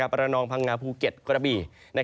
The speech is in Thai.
ระนองพังงาภูเก็ตกระบี่